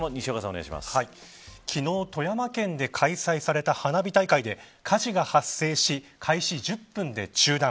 昨日、富山県で開催された花火大会で火事が発生し開始１０分で中断。